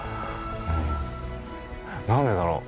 うん何でだろう？